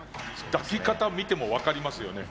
抱き方見ても分かりますよね。